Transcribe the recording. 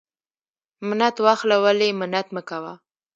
ـ منت واخله ولی منت مکوه.